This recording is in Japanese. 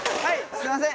すいません。